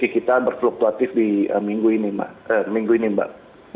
jadi kita berfluktuatif di minggu ini mbak